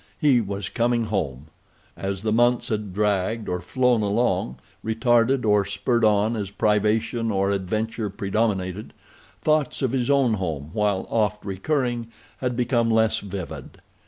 He was coming home. As the months had dragged or flown along, retarded or spurred on as privation or adventure predominated, thoughts of his own home, while oft recurring, had become less vivid.